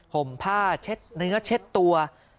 ห่มผ้าเช็ดเนื้อเช็ดตัว